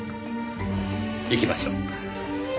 行きましょう。